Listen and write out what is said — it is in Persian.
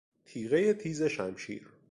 تیغهی تیز شمشیر